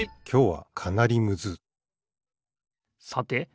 きょうはかなりむずさて